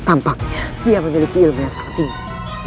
tampaknya ia memiliki ilmu yang sangat tinggi